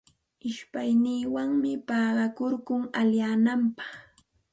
Ishpaywanmi paqakurkun allinyananpaq.